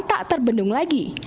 tak terbendung lagi